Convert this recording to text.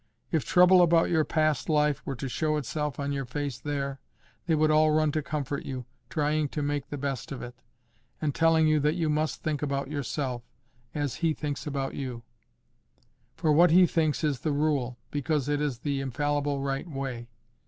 If trouble about your past life were to show itself on your face there, they would all run to comfort you, trying to make the best of it, and telling you that you must think about yourself as He thinks about you; for what He thinks is the rule, because it is the infallible right way.